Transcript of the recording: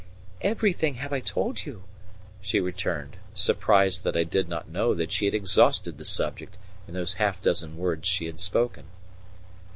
"Everything have I told you," she returned, surprised that I did not know that she had exhausted the subject in those half dozen words she had spoken.